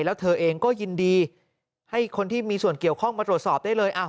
แล้วเธอเองก็ยินดีให้คนที่มีส่วนเกี่ยวข้องมาตรวจสอบได้เลย